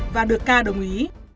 và được ca đồng ý